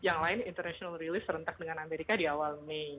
yang lain international release rentak dengan amerika di awal mei